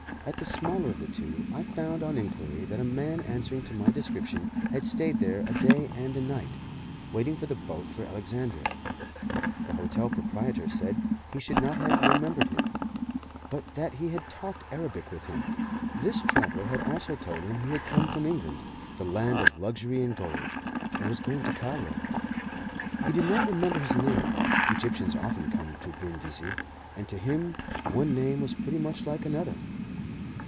At the smaller of the two, I found on inquiry that a man answering to my description had stayed there a day and a night, waiting for the boat for Alexandria. The hotel proprietor said he should not have remembered him, but that he had talked Arabic with him. This traveller had also told him he had come from England, the land of luxury and gold, and was going to Cairo. He did not remember his name. Egyptians often came to Brindisi, and to him one name was pretty much like another.